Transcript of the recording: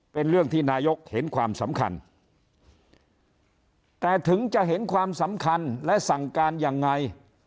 เป็นเรื่องที่นายกเห็นความสำคัญแต่ถึงจะเห็นความสำคัญและสั่งการยังไง